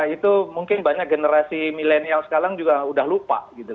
itu mungkin banyak generasi milenial sekarang juga sudah lupa